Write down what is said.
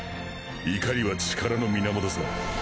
怒りは力の源さ。